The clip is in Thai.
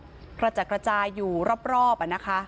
กระดูกมนุษย์กระจกระจายอยู่รอบนะคะ